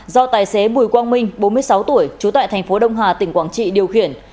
do tài xế bùi quang minh bốn mươi sáu tuổi trú tại thành phố đông hà tỉnh quảng trị điều khiển